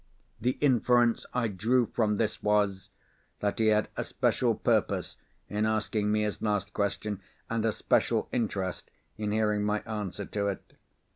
The inference I drew from this was—that he had a special purpose in asking me his last question, and a special interest in hearing my answer to it.